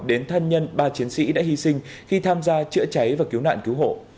đến thân nhân ba chiến sĩ đã hy sinh khi tham gia chữa cháy và cứu nạn cứu hộ